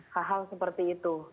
hal hal seperti itu